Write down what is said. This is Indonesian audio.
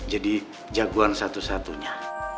jadi jagoan satu satunya